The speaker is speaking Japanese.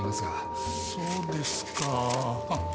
そうですか。